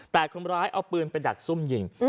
แต่คนร้ายเอาปืนไปดักซุ่มยิง